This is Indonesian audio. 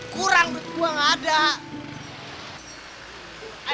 kurang duit gua gak ada